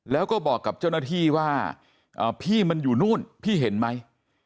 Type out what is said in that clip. แล้วก็บอกกับเจ้าหน้าที่ว่าพี่มันอยู่นู่นพี่เห็นไหม